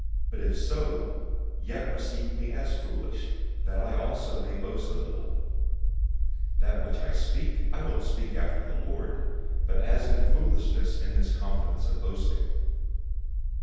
But if so, yet receive me as foolish, that I also may boast a little. 011:017 That which I speak, I don't speak according to the Lord, but as in foolishness, in this confidence of boasting.